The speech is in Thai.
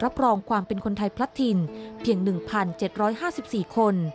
รองความเป็นคนไทยพลัดถิ่นเพียง๑๗๕๔คน